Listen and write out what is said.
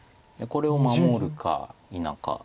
これを守るか否か。